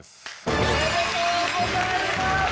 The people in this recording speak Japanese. おめでとうございます。